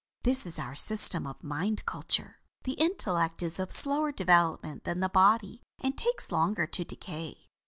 This is our system of mind culture. The intellect is of slower development than the body, and takes longer to decay.